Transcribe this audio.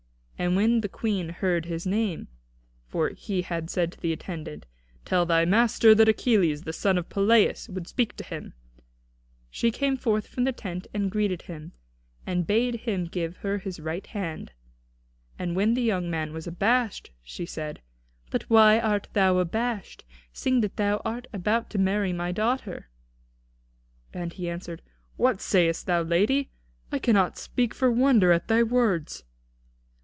And when the Queen heard his name for he had said to the attendant, "Tell thy master that Achilles, the son of Peleus, would speak with him" she came forth from the tent and greeted him, and bade him give her his right hand. And when the young man was abashed she said: "But why art thou abashed, seeing that thou art about to marry my daughter?" And he answered: "What sayest thou, lady? I cannot speak for wonder at thy words."